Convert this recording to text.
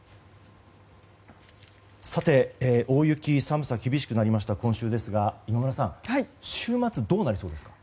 さて、大雪寒さが厳しくなりました今週ですが、今村さん週末どうなりそうですか？